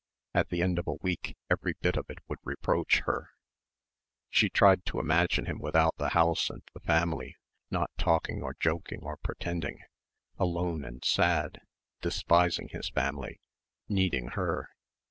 At the end of a week every bit of it would reproach her. She tried to imagine him without the house and the family, not talking or joking or pretending ... alone and sad ... despising his family ... needing her.